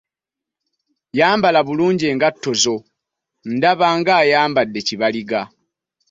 Yambala bulungi engatto zo; ndaba ng'ayambadde kibaliga!